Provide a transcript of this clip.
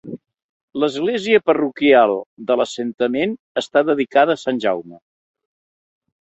L'església parroquial de l'assentament està dedicada a Sant Jaume.